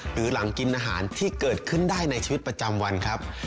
หรือหลังกินอาหารที่เกิดขึ้นได้ในชีวิตประจำวันครับ